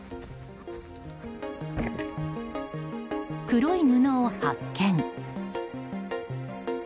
黒い布を発見！